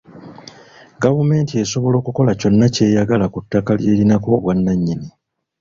Gavumenti esobola okukola kyonna ky'eyagala ku ttaka ly'erinako obwannannyini.